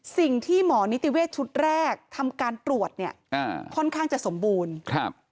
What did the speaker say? สิ่งที่หมอนิติเวชชุดแรกทำการตรวจเนี่ยอ่าค่อนข้างจะสมบูรณ์ครับ